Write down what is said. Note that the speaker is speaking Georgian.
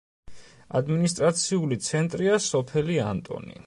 ადმინისტრაციული ცენტრია სოფელი ანტონი.